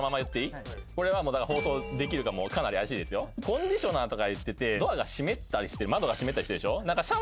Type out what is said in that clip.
コンディショナーとか言っててドアが湿ってたり窓が湿ってたりしてるでしょ？と思ったわけ。